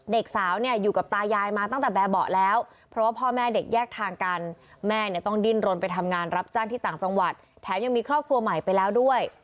เด็กสาวเนี่ยอยู่กับตายายมาตั้งแต่แบบเบาะแล้วเพราะว่าพ่อแม่เด็กแยกทางกันแม่เนี่ยต้องดิ้นรนไปทำงานรับจ้างที่ต่างจังหวัดแถมยังมีครอบครัวใหม่ไปแล้วด้วย